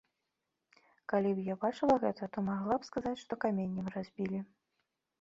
Калі б я бачыла гэта, то магла б сказаць, што каменем разбілі.